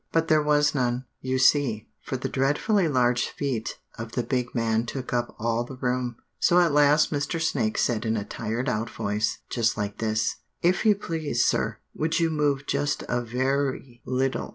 But there was none, you see, for the dreadfully large feet of the big man took up all the room; so at last Mr. Snake said in a tired out voice, just like this: 'If you please, sir, would you move just a very little?